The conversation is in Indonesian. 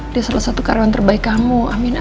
dia salah satu karyawan terbaik kamu aminah